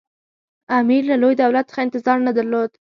امیر له لوی دولت څخه انتظار نه درلود.